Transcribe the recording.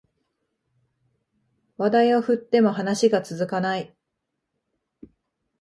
話題を振っても話が続かない